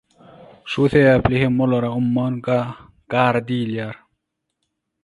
Şu sebäpli hem olara umman gary diýilýär.